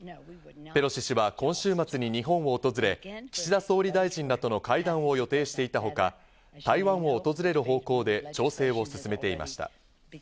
ペロシ氏は今週末に日本を訪れ、岸田総理大臣らとの会談を予定していたほか、台湾を訪れる方向で調整を進めていました。